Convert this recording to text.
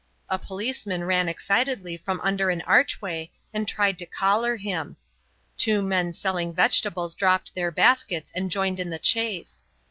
A policeman ran excitedly from under an archway and tried to collar him. Two men selling vegetables dropped their baskets and joined in the chase.